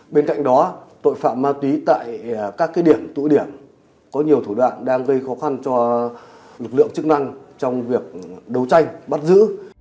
bên cạnh đó tội phạm ma túy tại các điểm tụ điểm có nhiều thủ đoạn đang gây khó khăn cho lực lượng chức năng trong việc đấu tranh bắt giữ